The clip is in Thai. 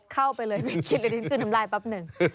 เข้าไปเลยไม่คิดเลยที่ขึ้นน้ำลายแป๊บหนึ่ง